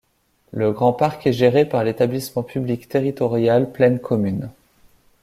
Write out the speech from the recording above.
Le Grand Parc est géré par l'établissement public territorial Plaine Commune.